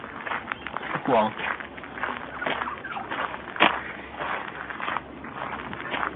ทั้งปวง